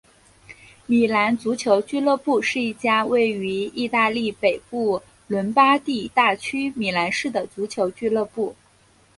米兰足球俱乐部是一家位于义大利北部伦巴第大区米兰市的足球俱乐部。